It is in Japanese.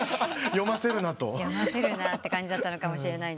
読ませるなって感じだったのかも。